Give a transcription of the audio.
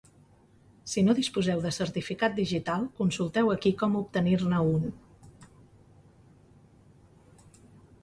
Si no disposeu de certificat digital, consulteu aquí com obtenir-ne un.